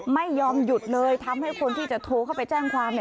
ไม่ยอมหยุดเลยทำให้คนที่จะโทรเข้าไปแจ้งความ